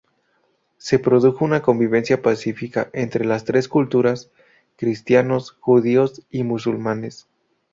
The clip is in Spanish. Se produjo una convivencia pacífica entre las tres culturas: cristianos, judíos y musulmanes.